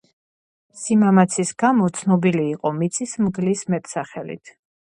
სიმამაცის გამო ცნობილი იყო „მიწის მგლის“ მეტსახელით.